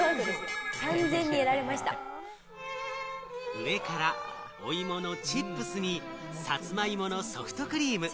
上からお芋のチップスにさつまいものソフトクリーム。